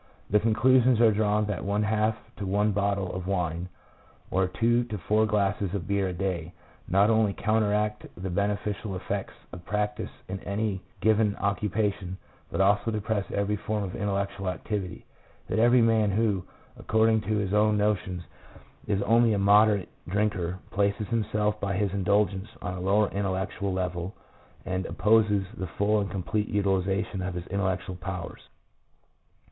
The conclusions are drawn that one half to one bottle of wine, or two to four glasses of beer a day, not only counteract the beneficial effects of 'practice' in any given occu pation, but also depress every form of intellectual activity: that every man who, according to his own notions, is only a moderate drinker, places himself by his indulgence on a lower intellectual level, and opposes the full and complete utilization of his intellectual powers."